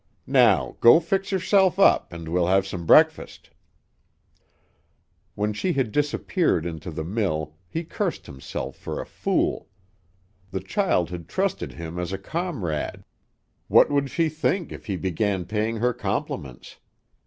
Now, go fix yourself up, and we'll have breakfast." When she had disappeared into the mill he cursed himself for a fool. The child had trusted him as a comrade; what would she think if he began paying her compliments?